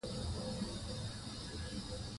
طلا د افغانستان د طبیعي پدیدو یو رنګ دی.